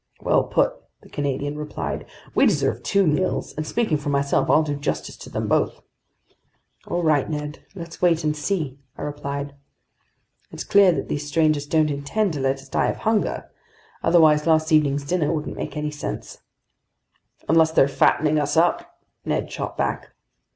"Well put," the Canadian replied. "We deserve two meals, and speaking for myself, I'll do justice to them both." "All right, Ned, let's wait and see!" I replied. "It's clear that these strangers don't intend to let us die of hunger, otherwise last evening's dinner wouldn't make any sense." "Unless they're fattening us up!" Ned shot back.